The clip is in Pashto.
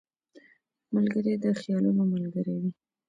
ملګری د خیالونو ملګری وي